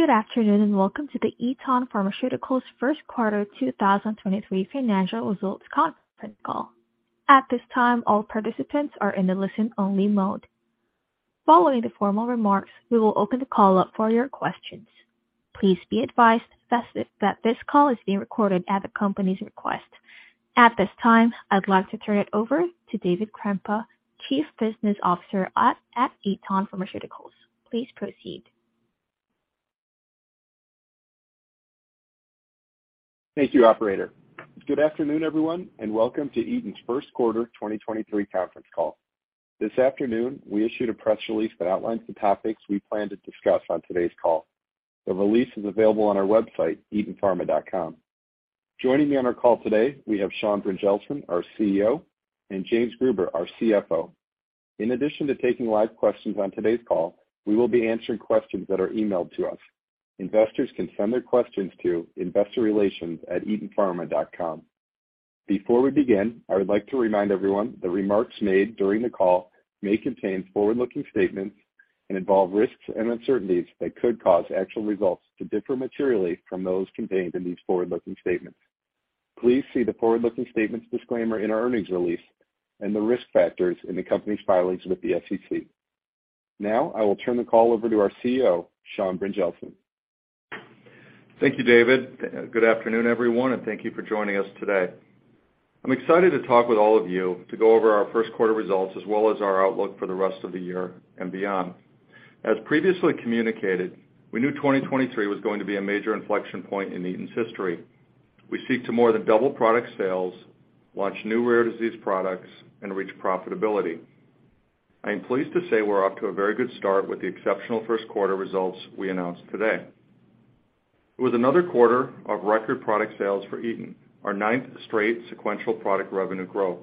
Good afternoon, welcome to the Eton Pharmaceuticals First Quarter 2023 Financial Results Conference Call. At this time, all participants are in a listen-only mode. Following the formal remarks, we will open the call up for your questions. Please be advised that this call is being recorded at the company's request. At this time, I'd like to turn it over to David Krempa, Chief Business Officer at Eton Pharmaceuticals. Please proceed. Thank you, operator. Good afternoon, everyone, and welcome to Eton's first quarter 2023 conference call. This afternoon, we issued a press release that outlines the topics we plan to discuss on today's call. The release is available on our website, etonpharma.com. Joining me on our call today, we have Sean Brynjelsen, our CEO, and James Gruber, our CFO. In addition to taking live questions on today's call, we will be answering questions that are emailed to us. Investors can send their questions to investorrelations@etonpharma.com. Before we begin, I would like to remind everyone the remarks made during the call may contain forward-looking statements and involve risks and uncertainties that could cause actual results to differ materially from those contained in these forward-looking statements. Please see the forward-looking statements disclaimer in our earnings release and the risk factors in the company's filings with the SEC. I will turn the call over to our CEO, Sean Brynjelsen. Thank you, David. Good afternoon, everyone, and thank you for joining us today. I'm excited to talk with all of you to go over our first quarter results as well as our outlook for the rest of the year and beyond. As previously communicated, we knew 2023 was going to be a major inflection point in Eton's history. We seek to more than double product sales, launch new rare disease products, and reach profitability. I am pleased to say we're off to a very good start with the exceptional first quarter results we announced today. It was another quarter of record product sales for Eton, our ninth straight sequential product revenue growth.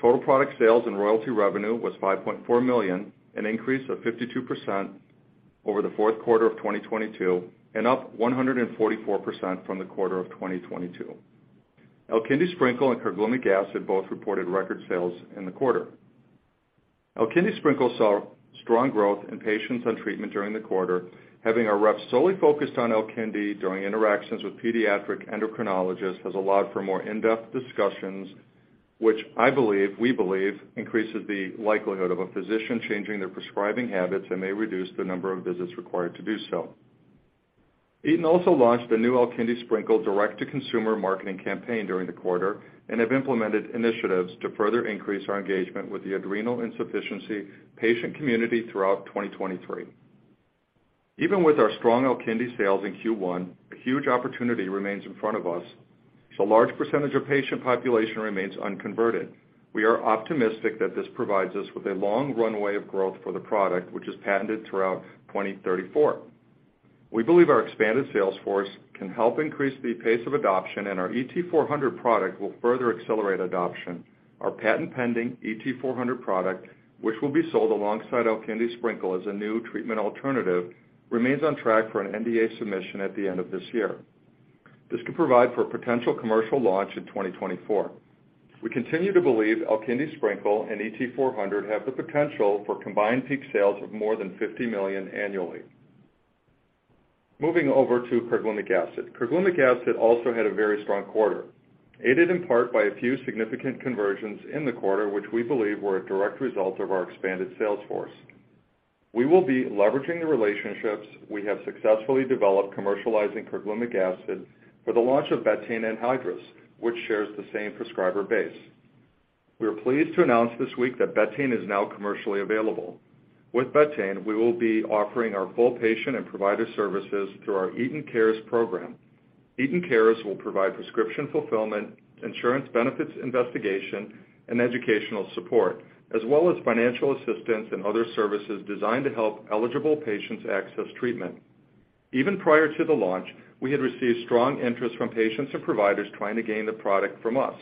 Total product sales and royalty revenue was $5.4 million, an increase of 52% over the fourth quarter of 2022, and up 144% from the quarter of 2022. Alkindi Sprinkle and Carglumic Acid both reported record sales in the quarter. Alkindi Sprinkle saw strong growth in patients on treatment during the quarter. Having our reps solely focused on Alkindi during interactions with pediatric endocrinologists has allowed for more in-depth discussions we believe increases the likelihood of a physician changing their prescribing habits and may reduce the number of visits required to do so. Eton also launched a new Alkindi Sprinkle direct-to-consumer marketing campaign during the quarter and have implemented initiatives to further increase our engagement with the adrenal insufficiency patient community throughout 2023. Even with our strong Alkindi sales in Q1, a huge opportunity remains in front of us. A large percentage of patient population remains unconverted. We are optimistic that this provides us with a long runway of growth for the product, which is patented throughout 2034. We believe our expanded sales force can help increase the pace of adoption, and our ET-400 product will further accelerate adoption. Our patent-pending ET-400 product, which will be sold alongside Alkindi Sprinkle as a new treatment alternative, remains on track for an NDA submission at the end of this year. This could provide for a potential commercial launch in 2024. We continue to believe Alkindi Sprinkle and ET-400 have the potential for combined peak sales of more than $50 million annually. Moving over to Carglumic Acid. Carglumic Acid also had a very strong quarter, aided in part by a few significant conversions in the quarter, which we believe were a direct result of our expanded sales force. We will be leveraging the relationships we have successfully developed commercializing Carglumic Acid for the launch of Betaine Anhydrous, which shares the same prescriber base. We are pleased to announce this week that Betaine is now commercially available. With Betaine, we will be offering our full patient and provider services through our Eton Cares program. Eton Cares will provide prescription fulfillment, insurance benefits investigation, and educational support, as well as financial assistance and other services designed to help eligible patients access treatment. Even prior to the launch, we had received strong interest from patients and providers trying to gain the product from us,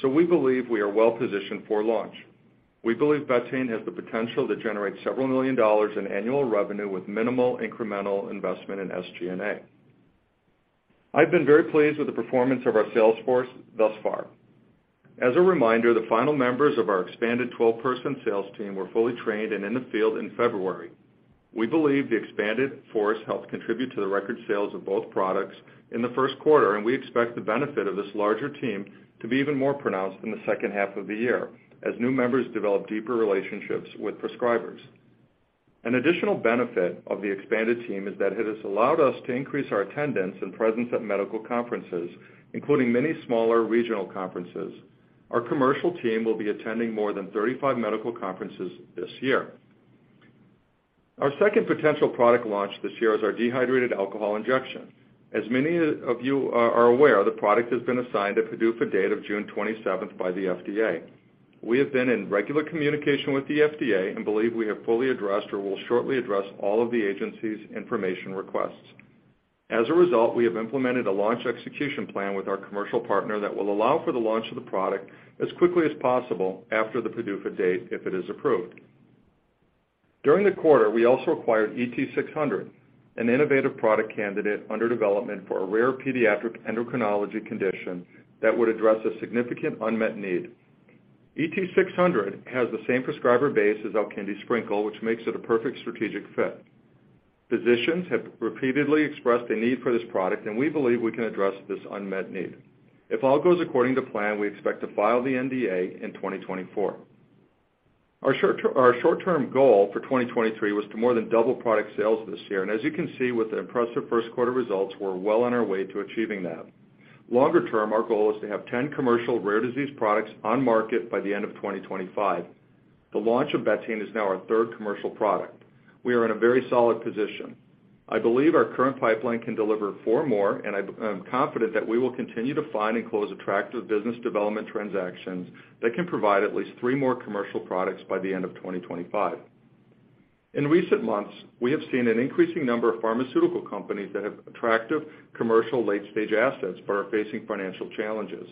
so we believe we are well-positioned for launch. We believe Betaine has the potential to generate several million dollars in annual revenue with minimal incremental investment in SG&A. I've been very pleased with the performance of our sales force thus far. As a reminder, the final members of our expanded 12-person sales team were fully trained and in the field in February. We believe the expanded force helped contribute to the record sales of both products in the first quarter. We expect the benefit of this larger team to be even more pronounced in the second half of the year as new members develop deeper relationships with prescribers. An additional benefit of the expanded team is that it has allowed us to increase our attendance and presence at medical conferences, including many smaller regional conferences. Our commercial team will be attending more than 35 medical conferences this year. Our second potential product launch this year is our dehydrated alcohol injection. As many of you are aware, the product has been assigned a PDUFA date of June 27th by the FDA. We have been in regular communication with the FDA. We believe we have fully addressed or will shortly address all of the agency's information requests. As a result, we have implemented a launch execution plan with our commercial partner that will allow for the launch of the product as quickly as possible after the PDUFA date if it is approved. During the quarter, we also acquired ET-600, an innovative product candidate under development for a rare pediatric endocrinology condition that would address a significant unmet need. ET-600 has the same prescriber base as Alkindi Sprinkle, which makes it a perfect strategic fit. Physicians have repeatedly expressed a need for this product, and we believe we can address this unmet need. If all goes according to plan, we expect to file the NDA in 2024. Our short-term goal for 2023 was to more than double product sales this year. As you can see with the impressive first quarter results, we're well on our way to achieving that. Longer-term, our goal is to have 10 commercial rare disease products on market by the end of 2025. The launch of Betaine is now our third commercial product. We are in a very solid position. I believe our current pipeline can deliver four more, and I'm confident that we will continue to find and close attractive business development transactions that can provide at least three more commercial products by the end of 2025. In recent months, we have seen an increasing number of pharmaceutical companies that have attractive commercial late-stage assets but are facing financial challenges.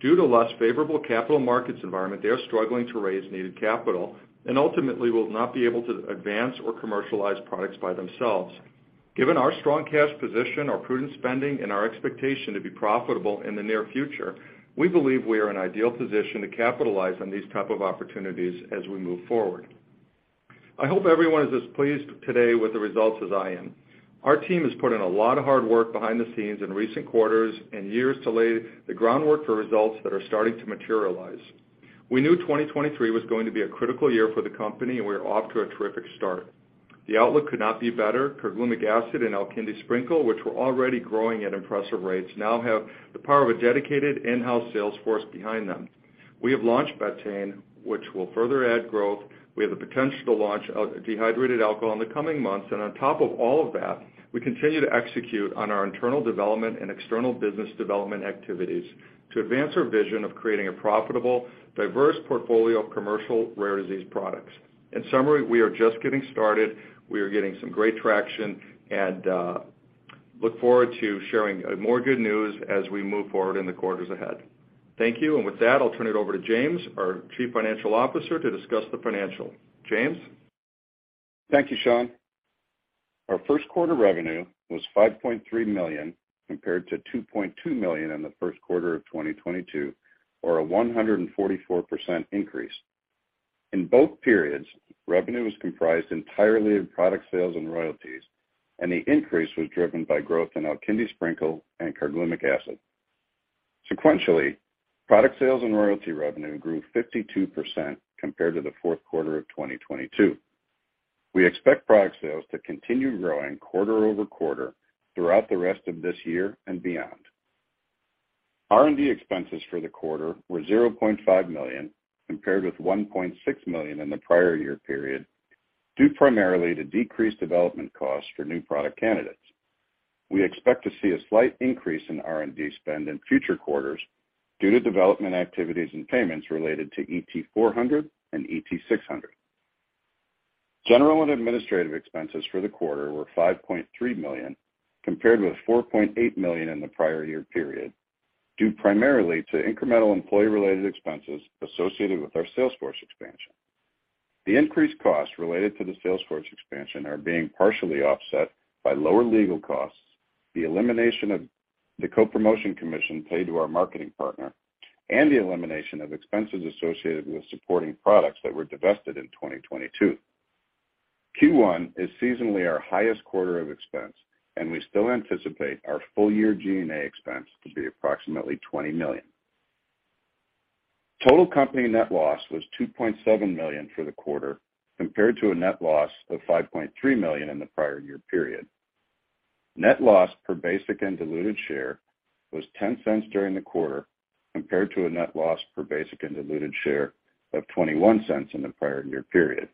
Due to less favorable capital markets environment, they are struggling to raise needed capital and ultimately will not be able to advance or commercialize products by themselves. Given our strong cash position, our prudent spending, and our expectation to be profitable in the near future, we believe we are in ideal position to capitalize on these type of opportunities as we move forward. I hope everyone is as pleased today with the results as I am. Our team has put in a lot of hard work behind the scenes in recent quarters and years to lay the groundwork for results that are starting to materialize. We knew 2023 was going to be a critical year for the company. We are off to a terrific start. The outlook could not be better. Carglumic Acid and Alkindi Sprinkle, which were already growing at impressive rates, now have the power of a dedicated in-house sales force behind them. We have launched Betaine, which will further add growth. We have the potential to launch dehydrated alcohol in the coming months. On top of all of that, we continue to execute on our internal development and external business development activities to advance our vision of creating a profitable, diverse portfolio of commercial rare disease products. In summary, we are just getting started. We are getting some great traction and look forward to sharing more good news as we move forward in the quarters ahead. Thank you. With that, I'll turn it over to James, our Chief Financial Officer, to discuss the financial. James? Thank you, Sean. Our first quarter revenue was $5.3 million, compared to $2.2 million in the first quarter of 2022, or a 144% increase. In both periods, revenue was comprised entirely of product sales and royalties, and the increase was driven by growth in Alkindi Sprinkle and Carglumic Acid. Sequentially, product sales and royalty revenue grew 52% compared to the fourth quarter of 2022. We expect product sales to continue growing quarter-over-quarter throughout the rest of this year and beyond. R&D expenses for the quarter were $0.5 million, compared with $1.6 million in the prior year period, due primarily to decreased development costs for new product candidates. We expect to see a slight increase in R&D spend in future quarters due to development activities and payments related to ET-400 and ET-600. General and administrative expenses for the quarter were $5.3 million, compared with $4.8 million in the prior year period, due primarily to incremental employee-related expenses associated with our sales force expansion. The increased costs related to the sales force expansion are being partially offset by lower legal costs, the elimination of the co-promotion commission paid to our marketing partner, and the elimination of expenses associated with supporting products that were divested in 2022. Q1 is seasonally our highest quarter of expense, we still anticipate our full year G&A expense to be approximately $20 million. Total company net loss was $2.7 million for the quarter, compared to a net loss of $5.3 million in the prior year period. Net loss per basic and diluted share was $0.10 during the quarter, compared to a net loss per basic and diluted share of $0.21 in the prior year period.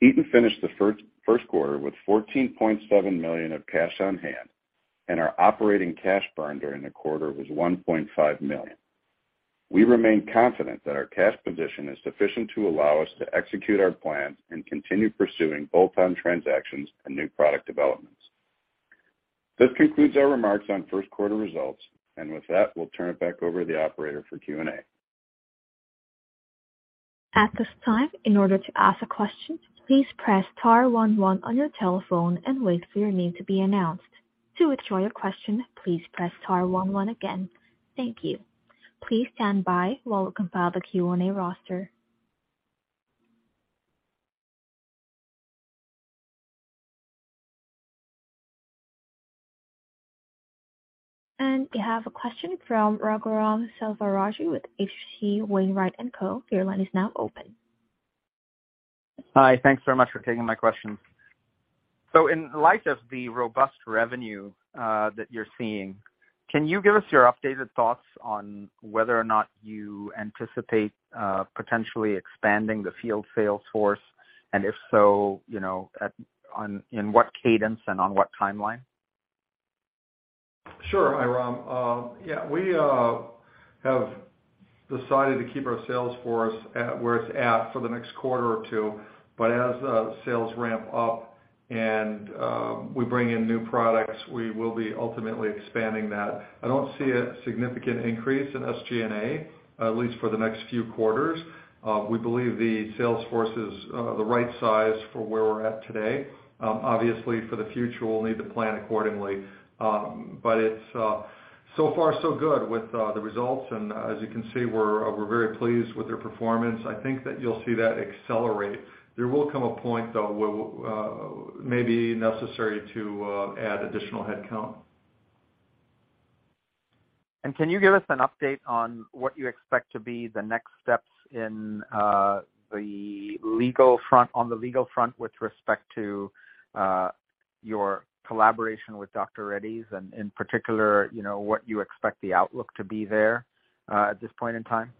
Eton finished the first quarter with $14.7 million of cash on hand. Our operating cash burn during the quarter was $1.5 million. We remain confident that our cash position is sufficient to allow us to execute our plan and continue pursuing bolt-on transactions and new product developments. This concludes our remarks on first quarter results. With that, we'll turn it back over to the operator for Q&A. At this time, in order to ask a question, please press star one one on your telephone and wait for your name to be announced. To withdraw your question, please press star one one again. Thank you. Please stand by while we compile the Q&A roster. We have a question from Raghuram Selvaraju with H.C. Wainwright & Co. Your line is now open. Hi. Thanks so much for taking my question. In light of the robust revenue that you're seeing, can you give us your updated thoughts on whether or not you anticipate potentially expanding the field sales force? If so, you know, in what cadence and on what timeline? Sure, Raghuram. Yeah, we have decided to keep our sales force at where it's at for the next quarter or two, but as sales ramp up and we bring in new products, we will be ultimately expanding that. I don't see a significant increase in SG&A, at least for the next few quarters. We believe the sales force is the right size for where we're at today. Obviously, for the future, we'll need to plan accordingly. But it's. So far so good with the results. As you can see, we're very pleased with their performance. I think that you'll see that accelerate. There will come a point, though, where it may be necessary to add additional headcount. Can you give us an update on what you expect to be the next steps on the legal front with respect to your collaboration with Dr. Reddy's and in particular, you know, what you expect the outlook to be there at this point in time?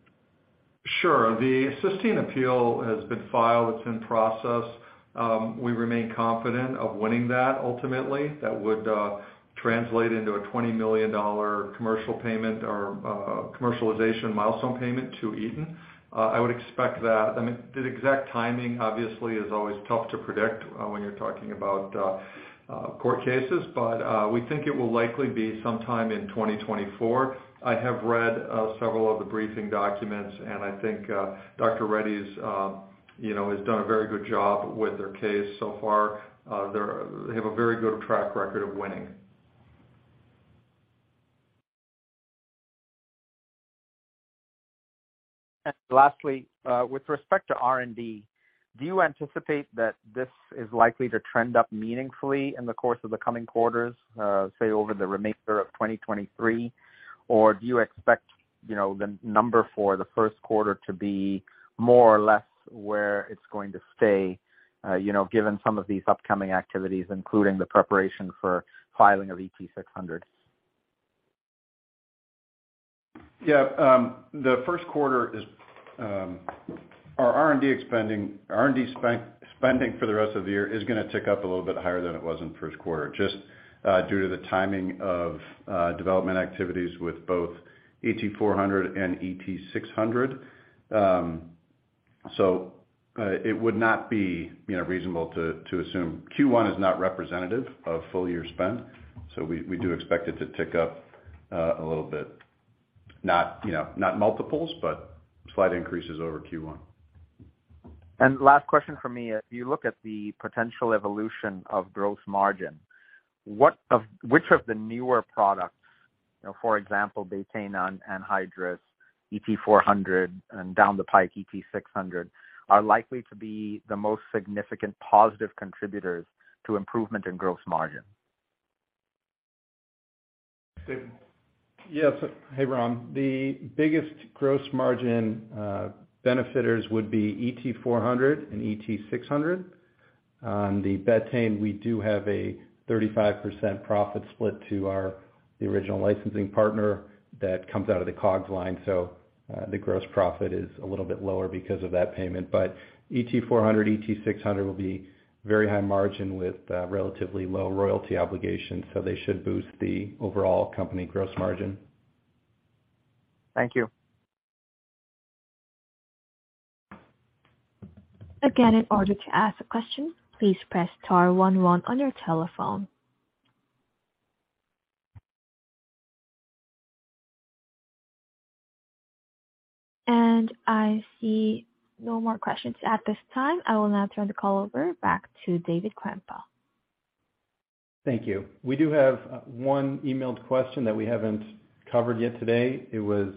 Sure. The cysteine appeal has been filed. It's in process. We remain confident of winning that ultimately. That would translate into a $20 million commercial payment or commercialization milestone payment to Eton. I would expect that... I mean, the exact timing obviously is always tough to predict, when you're talking about court cases. We think it will likely be sometime in 2024. I have read, several of the briefing documents. I think, Dr. Reddy's, you know, has done a very good job with their case so far. They have a very good track record of winning. Lastly, with respect to R&D, do you anticipate that this is likely to trend up meaningfully in the course of the coming quarters, say over the remainder of 2023? Or do you expect, you know, the number for the first quarter to be more or less where it's going to stay, you know, given some of these upcoming activities, including the preparation for filing of ET-600? Our R&D spending for the rest of the year is gonna tick up a little bit higher than it was in the first quarter, just due to the timing of development activities with both ET-400 and ET-600. It would not be, you know, reasonable to assume. Q1 is not representative of full year spend, we do expect it to tick up a little bit. Not, you know, not multiples, slight increases over Q1. Last question from me. If you look at the potential evolution of gross margin, which of the newer products, you know, for example, Betaine Anhydrous, ET-400 and down the pike ET-600, are likely to be the most significant positive contributors to improvement in gross margin? David? Yes. Hey, Raghuram. The biggest gross margin benefitors would be ET-400 and ET-600. The Betaine, we do have a 35% profit split to our original licensing partner that comes out of the COGS line. The gross profit is a little bit lower because of that payment. ET-400, ET-600 will be very high margin with relatively low royalty obligations, so they should boost the overall company gross margin. Thank you. Again, in order to ask a question, please press star one one on your telephone. I see no more questions at this time. I will now turn the call over back to David Krempa. Thank you. We do have, one emailed question that we haven't covered yet today. It was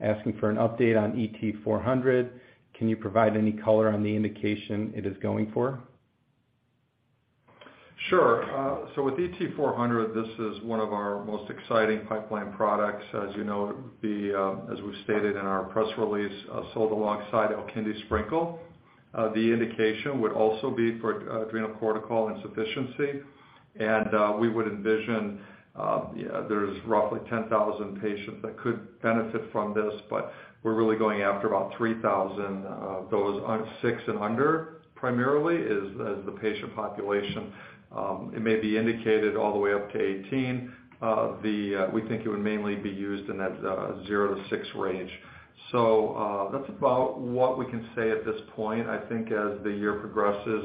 asking for an update on ET-400. Can you provide any color on the indication it is going for? Sure. So with ET-400, this is one of our most exciting pipeline products. As you know, as we've stated in our press release, sold alongside Alkindi Sprinkle. The indication would also be for adrenocortical insufficiency. We would envision, there's roughly 10,000 patients that could benefit from this, but we're really going after about 3,000 of those on six and under, primarily is the patient population. It may be indicated all the way up to 18. We think it would mainly be used in that zero to six range. That's about what we can say at this point. I think as the year progresses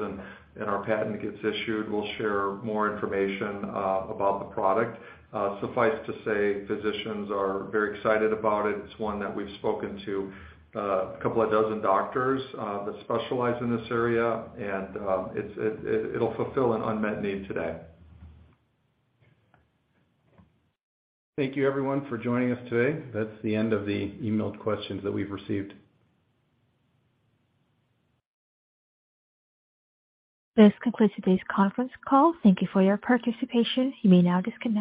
and our patent gets issued, we'll share more information about the product. Suffice to say, physicians are very excited about it. It's one that we've spoken to, a couple of dozen doctors, that specialize in this area, and it'll fulfill an unmet need today. Thank you everyone for joining us today. That's the end of the emailed questions that we've received. This concludes today's conference call. Thank you for your participation. You may now disconnect.